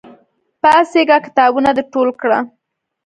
پاڅېږه! کتابونه د ټول کړه!